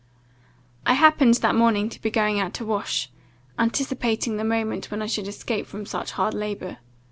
"I happened that morning to be going out to wash, anticipating the moment when I should escape from such hard labour.